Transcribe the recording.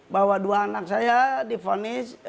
bawa dua anak saya di vonis